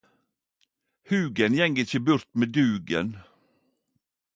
Hugen gjeng ikkje burt med Dugen.